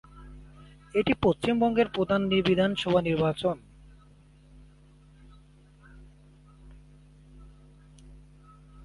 এটি পশ্চিমবঙ্গের প্রথম বিধানসভা নির্বাচন।